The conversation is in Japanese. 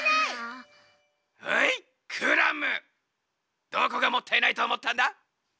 はいクラムどこがもったいないとおもったんだ？